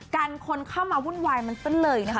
กันคนเข้ามาวุ่นวายมันซะเลยนะคะ